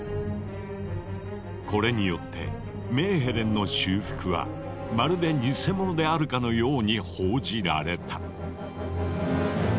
これによってメーヘレンの修復はまるでニセモノであるかのように報じられた。